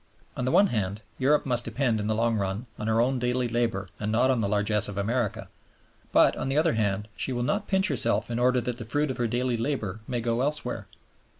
On the one hand, Europe must depend in the long run on her own daily labor and not on the largesse of America; but, on the other hand, she will not pinch herself in order that the fruit of her daily labor may go elsewhere.